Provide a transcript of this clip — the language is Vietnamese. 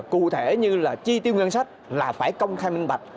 cụ thể như là chi tiêu ngân sách là phải công khai minh bạch